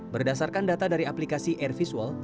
berdasarkan data dari aplikasi airvisual